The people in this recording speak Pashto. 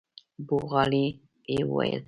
بوغارې يې وهلې.